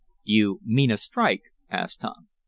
"You mean a strike?" asked Tom.